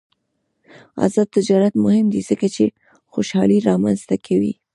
آزاد تجارت مهم دی ځکه چې خوشحالي رامنځته کوي.